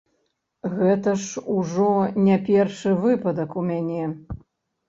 Гэта ж ужо не першы выпадак у мяне.